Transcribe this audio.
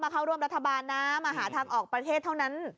เข้าร่วมรัฐบาลนะมาหาทางออกประเทศเท่านั้น